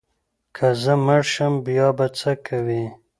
که زه مړ شم بیا به څه کوې؟